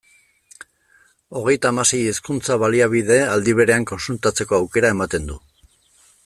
Hogeita hamasei hizkuntza-baliabide aldi berean kontsultatzeko aukera ematen du.